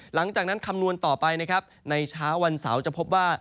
หลังจากนั้นคำนวณต่อไปในเช้าวันเสาร์จะพบว่า